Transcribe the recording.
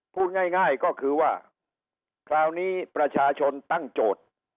พูดง่ายก็คือว่าคราวนี้ประชาชนตั้งโจทย์